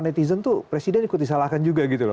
itu di sama netizen itu presiden ikut disalahkan juga gitu loh